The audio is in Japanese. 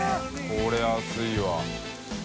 これ安いわ。